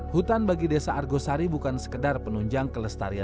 hutan bagi desa argosari bukan sekedar penunjang kelestarian